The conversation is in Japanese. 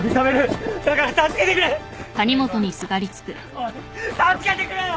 おい助けてくれよ！